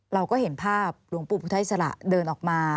เราก็เห็นภาพหลวงปู่พุทธอิสระเดินออกมา